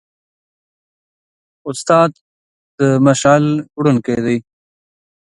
استاد د مشعل وړونکی دی.